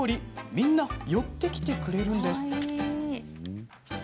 みんな寄ってきてくれるんです。